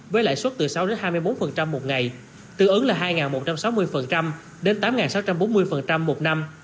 với lãi suất từ sáu hai mươi bốn một ngày tương ứng là hai một trăm sáu mươi đến tám sáu trăm bốn mươi một năm